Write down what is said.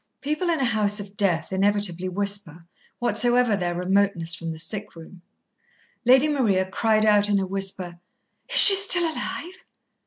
People in a house of death inevitably whisper, whatsoever their remoteness from the sick room. Lady Maria cried out in a whisper: "Is she still alive?"